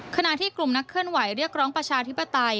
ขณะที่กลุ่มนักเคลื่อนไหวเรียกร้องประชาธิปไตย